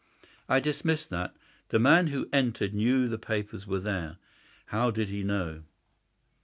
I dismissed that. The man who entered knew that the papers were there. How did he know?